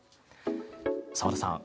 澤田さん